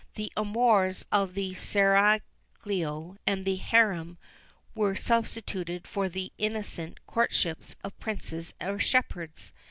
The amours of the seraglio and the harem were substituted for the innocent courtships of princes or shepherds.